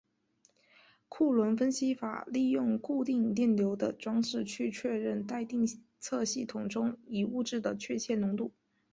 库伦分析法利用固定电流的装置去确定待测系统中一物质的确切浓度。